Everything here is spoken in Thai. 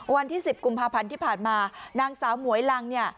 วันที่๑๐กุมภาพันธ์ที่ผ่านมานางสาวหมวยลังเนี่ย